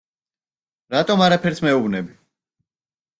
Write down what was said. რატომ არაფერს მეუბნები?!